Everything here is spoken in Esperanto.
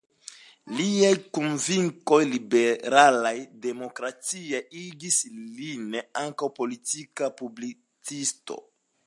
Liaj konvinkoj liberalaj-demokratiaj igis lin ankaŭ politika publicisto.